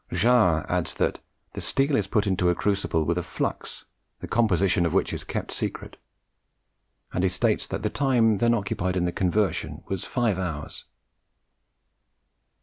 Jars adds that "the steel is put into the crucible with A FLUX, the composition of which is kept secret;" and he states that the time then occupied in the conversion was five hours.